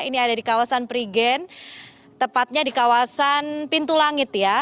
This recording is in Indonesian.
ini ada di kawasan prigen tepatnya di kawasan pintu langit ya